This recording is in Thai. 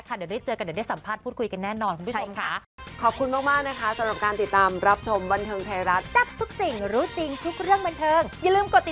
ตาดีเหมือนกันนะคุณเลิกคุณตาดีนี่อย่าสังเกตหรือจ้องจับผิดไม่รู้นะโอ้โฮ